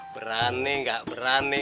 berani gak berani